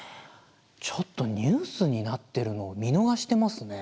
ちょっとニュースになってるのを見逃してますね。